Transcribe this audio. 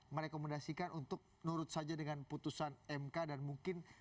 merekomendasikan untuk nurut saja dengan putusan mk dan mungkin